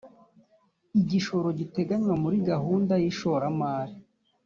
igishoro giteganywa muri gahunda y’ishoramari